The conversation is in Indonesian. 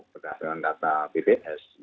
berdasarkan data bps